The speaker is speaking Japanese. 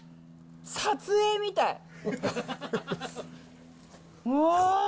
撮影みたい。